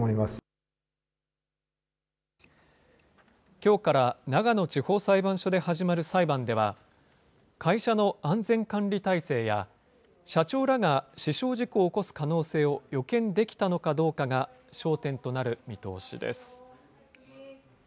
きょうから長野地方裁判所で始まる裁判では、会社の安全管理体制や社長らが死傷事故を起こす可能性を予見できたのかどうかが焦点となる見通しです。